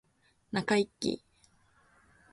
中イキ